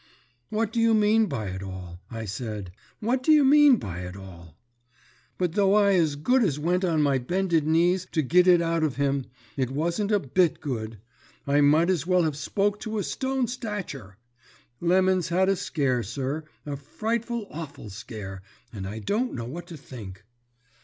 "'What do you mean by it all?' I said. 'What do you mean by it all?' "But though I as good as went on my bended knees to git it out of him, it wasn't a bit of good. I might as well have spoke to a stone stature. Lemon's had a scare, sir, a frightful awful scare, and I don't know what to think.